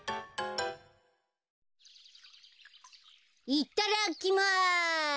いっただきます！